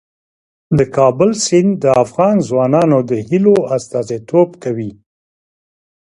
د کابل سیند د افغان ځوانانو د هیلو استازیتوب کوي.